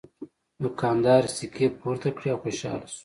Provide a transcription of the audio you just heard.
دوکاندار سکې پورته کړې او خوشحاله شو.